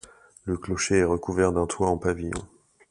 Le clocher est recouvert d'un toit en pavillon.